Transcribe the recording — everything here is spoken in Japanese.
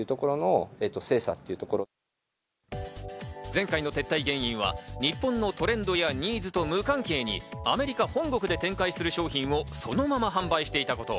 前回の撤退原因は、日本のトレンドやニーズと無関係に、アメリカ本国で展開する商品をそのまま販売していたこと。